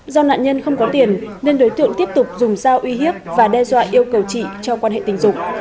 do nạn nhân không có tiền nên đối tượng tiếp tục dùng dao uy hiếp và đe dọa yêu cầu chị trong quan hệ tình dục